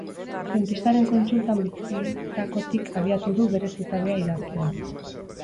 Dentistaren kontsultan bizitakotik abiatu du bere zutabea idazleak.